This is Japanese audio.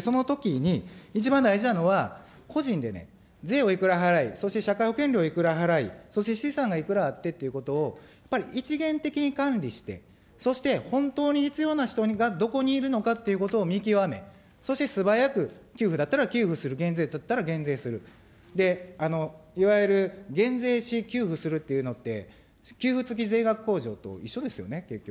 そのときに、一番大事なのは、個人でね、税をいくら払い、そして社会保険料いくら払い、そして資産がいくらあってっていうことを、やっぱり一元的に管理して、そして本当に必要な人がどこにいるのかっていうことを見極め、そして素早く給付だったら給付する、減税だったら減税する、いわゆる減税し給付するっていうのって、給付付き税額控除と一緒ですよね、結局。